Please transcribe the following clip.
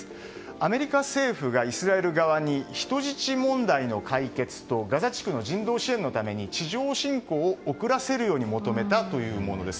アメリカ政府がイスラエル側に人質問題の解決とガザ地区の人道支援のために地上侵攻を遅らせるように求めたというものです。